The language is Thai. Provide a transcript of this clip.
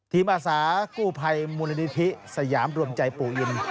ทีมอาสากู้ไพรมูลนิธิสยามรวมใจปลูกอิน